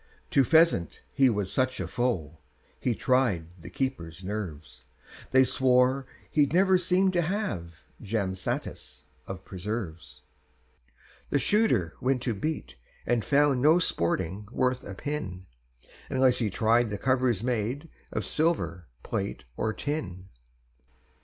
To pheasant he was such a foe, He tried the keepers' nerves; They swore he never seem'd to have Jam satis of preserves. The Shooter went to beat, and found No sporting worth a pin, Unless he tried the covers made Of silver, plate, or tin.